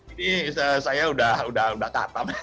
ini saya sudah katam